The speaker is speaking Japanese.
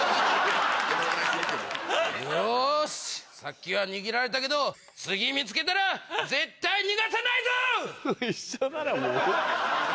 よしさっきは逃げられたけど次見つけたら絶対逃がさないぞ！